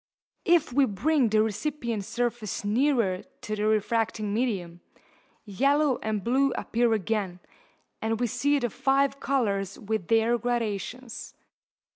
If we bring the recipient surface nearer to the refracting medium, yellow and blue appear again, and we see the five colours with their gradations.